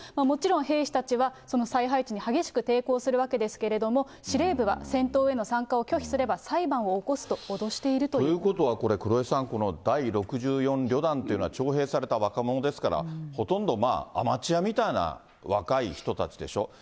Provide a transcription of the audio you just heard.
もちろん兵士たちはその再配置に激しく抵抗するわけですけれども、司令部は戦闘への参加を拒否すれば裁判をすると脅していると。ということはこれ、黒井さん、この第６４旅団というのは、徴兵された若者ですから、ほとんどアマチュアみたいな若い人たちでしょ。